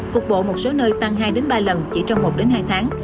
cục bộ một số nơi tăng hai ba lần chỉ trong một hai tháng